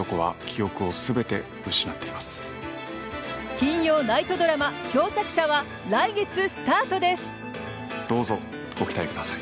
金曜ナイトドラマ「漂着者」は来月スタートです。